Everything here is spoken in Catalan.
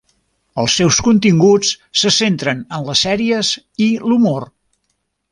Els seus continguts se centren en les sèries i l'humor.